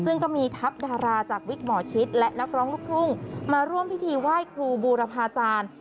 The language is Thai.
ซึ่งก็มีทัพดาราจากวิกหมอชิดและนักร้องลูกทุ่งมาร่วมพิธีไหว้ครูบูรพาจารย์